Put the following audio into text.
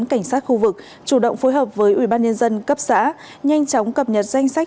cảnh sát khu vực chủ động phối hợp với ubnd cấp xã nhanh chóng cập nhật danh sách